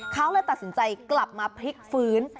เขาเลยตัดสินใจกลับมาพลิกฟื้น